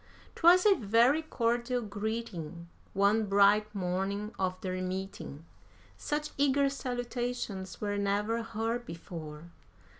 'Twas a very cordial greeting, one bright morning of their meeting; Such eager salutations were never heard before.